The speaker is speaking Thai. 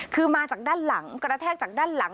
คือมาจากด้านหลังกระแทกจากด้านหลัง